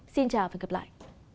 xin chào và hẹn gặp lại